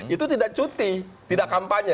itu tidak cuti tidak kampanye